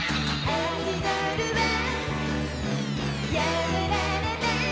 「アイドルはやめられない」